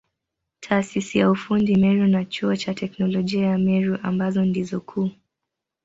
Taasisi ya ufundi Meru na Chuo cha Teknolojia ya Meru ambazo ndizo kuu.